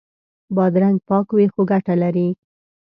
بادرنګ پاک وي نو ګټه لري.